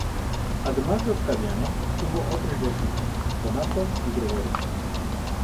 Además de Octaviano, tuvo otros dos hijos: Donato y Gregorio.